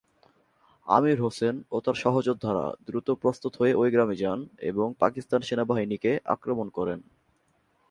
আমির হোসেন ও তার সহযোদ্ধারা দ্রুত প্রস্তুত হয়ে ওই গ্রামে যান এবং পাকিস্তান সেনাবাহিনীকে আক্রমণ করেন।